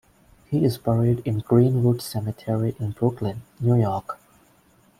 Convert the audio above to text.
He is buried in Green-Wood Cemetery in Brooklyn, New York.